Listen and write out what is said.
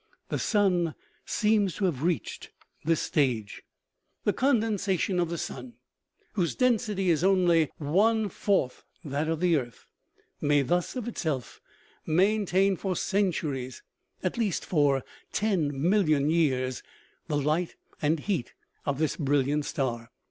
The sun seems to have reached this stage. OMEGA. 275 The condensation of the sun, whose density is only one fourth that of the earth, may thus of itself main tain for centuries, at least for ten million years, the light and heat of this brilliant star.